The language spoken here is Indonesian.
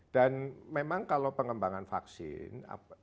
dan memang kalau pengembangan vaksin